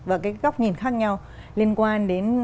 và cái góc nhìn khác nhau liên quan đến